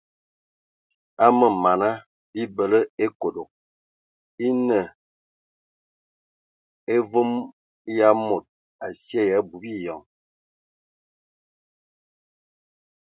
Aməmama bibələ ekodog e nə evom ya mod asye ya abui biyɔŋ.